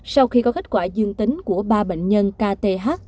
sau khi có kết quả dương tính của ba bệnh nhân k t h